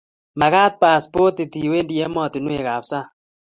magat passportit iwendi ematinwek ab sang'